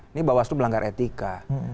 ini bawaslu melanggar etika